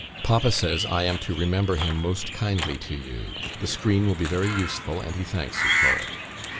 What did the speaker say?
Papa says I am to remember him most kindly to you. The screen will be very useful, and he thanks you for it.